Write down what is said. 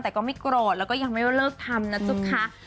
แต่ก็ไม่โกรธแล้วก็ยังไม่เลิกทำนะจ๊ะคะ